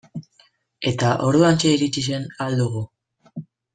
Eta orduantxe iritsi zen Ahal Dugu.